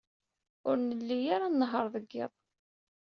Ur nelli ara nnehheṛ deg yiḍ.